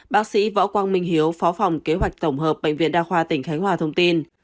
bác sĩ võ quang minh hiếu phó phòng kế hoạch tổng hợp bệnh viện đa khoa tỉnh khánh hòa thông tin